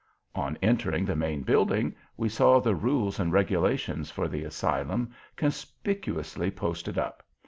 On entering the main building, we saw the Rules and Regulations for the Asylum conspicuously posted up.